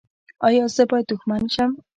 ایا زه باید دښمن شم؟